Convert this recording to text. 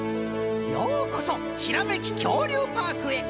ようこそひらめききょうりゅうパークへ。